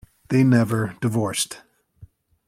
They never divorced.